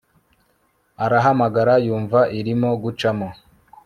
arahamagara yumva irimo gucamo